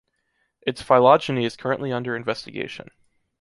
Its phylogeny is currently under investigation.